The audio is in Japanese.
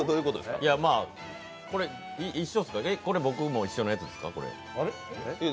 えっ、これ僕も一緒のやつッスか？